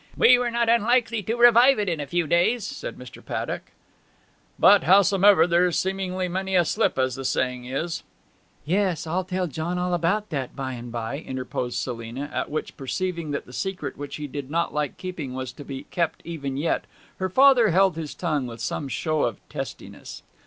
'We were not unlikely to revive it in a few days,' said Mr. Paddock. 'But, howsomever, there's seemingly many a slip, as the saying is.' 'Yes, I'll tell John all about that by and by!' interposed Selina; at which, perceiving that the secret which he did not like keeping was to be kept even yet, her father held his tongue with some show of testiness.